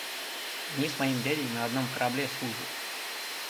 – Они с моим дядей на одном корабле служат.